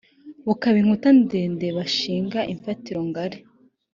bubaka inkuta ndende, bashinga imfatiro ngari